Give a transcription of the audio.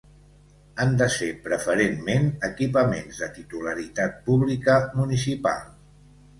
Han de ser preferentment equipaments de titularitat pública municipal.